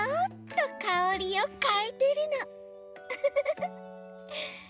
ウフフフフ。